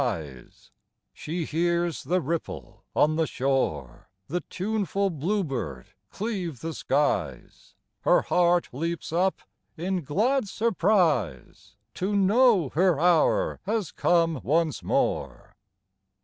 26 EASTER CAROLS She hears the ripple on the shore, The tuneful bluebird cleave the skies Her heart leaps up in glad surprise To know her hour has come once more.